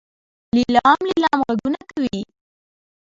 لیلام لیلام غږونه کوي.